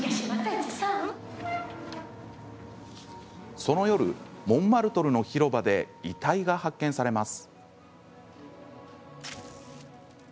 その夜、モンマルトルの広場で遺体が発見されます。